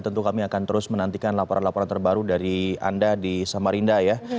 tentu kami akan terus menantikan laporan laporan terbaru dari anda di samarinda ya